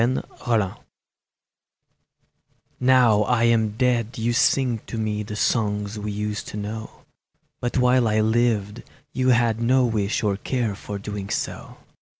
AN UPBRAIDING NOW I am dead you sing to me The songs we used to know, But while I lived you had no wish Or care for doing so.